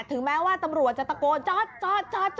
ถึงแม้ว่าตำรวจจะตะโกนจอดจอด